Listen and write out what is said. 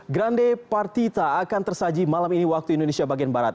grande partita akan tersaji malam ini waktu indonesia bagian barat